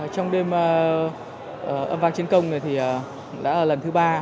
trong đêm âm vang chiến công này thì đã là lần thứ ba